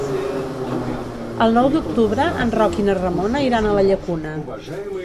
El nou d'octubre en Roc i na Ramona iran a la Llacuna.